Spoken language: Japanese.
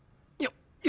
よ